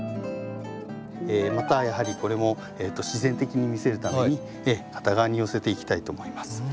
またやはりこれも自然的に見せるために片側に寄せていきたいと思います。